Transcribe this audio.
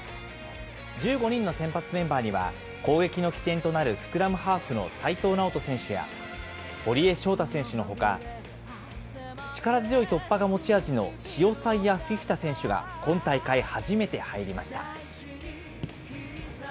１５人の先発メンバーには攻撃の起点となるスクラムハーフの齋藤直人選手や、堀江翔太選手のほか、力強い突破が持ち味のシオサイア・フィフィタ選手が今大会初めて入りました。